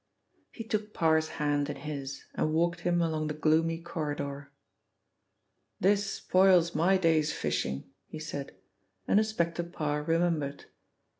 He took Parr's hand in his, and walked him along the gloomy corridor. "This spoils my day's fishing," he said, and Inspector Parr remembered.